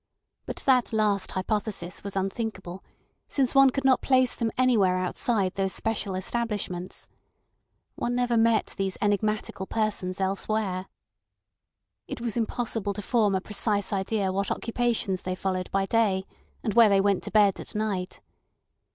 But that last hypothesis was unthinkable, since one could not place them anywhere outside those special establishments. One never met these enigmatical persons elsewhere. It was impossible to form a precise idea what occupations they followed by day and where they went to bed at night.